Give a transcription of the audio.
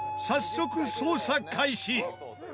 早速捜査開始！